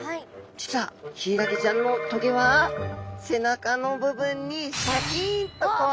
実はヒイラギちゃんのトゲは背中の部分にシャキンとこうあるんですね。